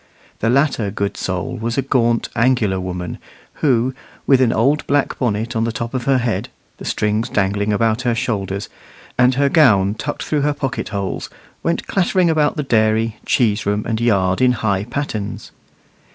The latter good soul was a gaunt, angular woman, who, with an old black bonnet on the top of her head, the strings dangling about her shoulders, and her gown tucked through her pocket holes, went clattering about the dairy, cheese room, and yard, in high pattens.